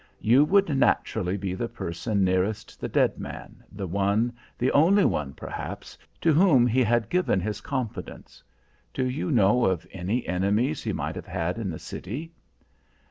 You would naturally be the person nearest the dead man, the one, the only one, perhaps, to whom he had given his confidence. Do you know of any enemies he might have had in the city?"